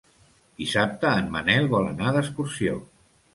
Dissabte en Manel vol anar d'excursió.